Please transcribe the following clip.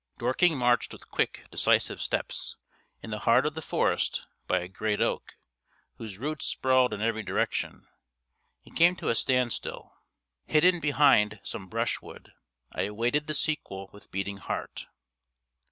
Dorking marched with quick, decisive steps. In the heart of the forest, by a great oak, whose roots sprawled in every direction, he came to a standstill. Hidden behind some brushwood, I awaited the sequel with beating heart.